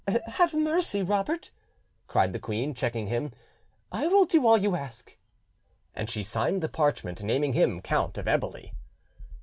"Have mercy, Robert!" cried the queen, checking him: "I will do all you ask." And she signed the parchment naming him Count of Eboli.